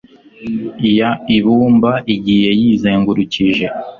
y ibumba igiye yizengurukije